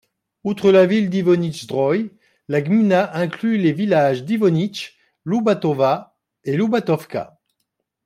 Outre la ville de Iwonicz-Zdrój, la gmina inclut les villages d'Iwonicz, Lubatowa et Lubatówka.